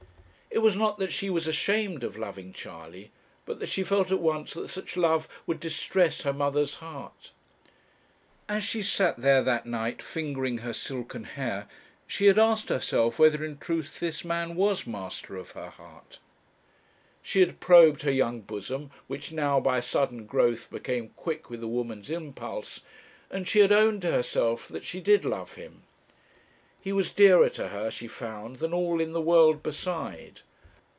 It was not that she was ashamed of loving Charley, but that she felt at once that such love would distress her mother's heart. As she sat there that night fingering her silken hair, she had asked herself whether in truth this man was master of her heart; she had probed her young bosom, which now, by a sudden growth, became quick with a woman's impulse, and she had owned to herself that she did love him. He was dearer to her, she found, than all in the world beside.